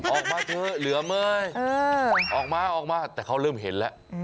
ออกมาเถอะเหลือเม้ยออกมาออกมาแต่เขาเริ่มเห็นแล้ว